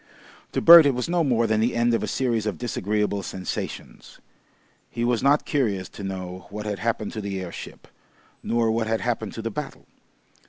To Bert it was no more than the end of a series of disagreeable sensations. He was not curious to know what had happened to the airship, nor what had happened to the battle.